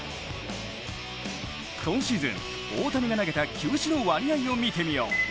今シーズン、大谷が投げた球種の割合を見てみよう。